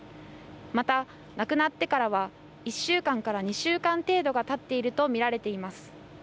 また亡くなってからは１週間から２週間程度がたっていると見られています。